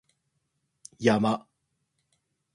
山